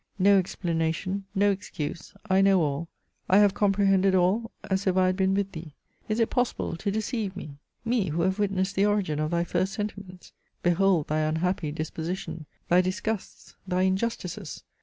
No explanation — no excuse — I know all. I have comprehended all, as if I had been with thee. Is it possible to deceive me — me who have witnessed ^ the origin of thy first sentiments! Behold thy unhappy disposition, thy disgusts, thy injustices!